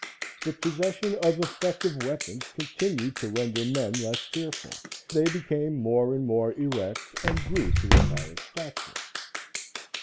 The possession of effective weapons continued to render men less fearful, they became more and more erect and grew to a taller stature.